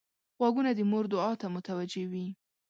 غوږونه د مور دعا ته متوجه وي